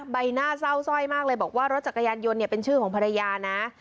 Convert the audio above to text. ใบหน้าเศร้าสร้อยมากเลยบอกว่ารถจักรยานยนต์เนี่ยเป็นชื่อของภรรยานะ